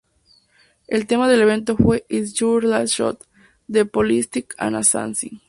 El tema del evento fue ""It's Your Last Shot"" de Politics and Assassins.